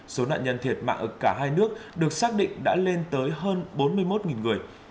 số nạn nhân thiệt mạng ở cả hai nước được xác định đã lên tới hơn bốn mươi một người